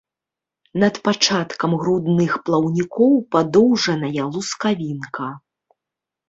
Над пачаткам грудных плаўнікоў падоўжаная лускавінка.